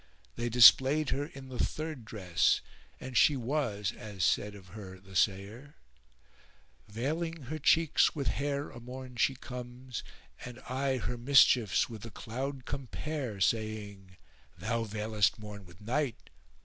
They displayed her in the third dress and she was as said of her the sayer:— Veiling her cheeks with hair a morn she comes, * And I her mischiefs with the cloud compare: Saying, "Thou veilest morn with night!"